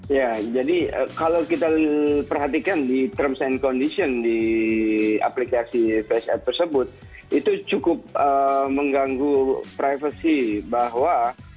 ya jadi kalau kita perhatikan di terms and condition di aplikasi faceboot tersebut itu cukup mengganggu privacy bahwa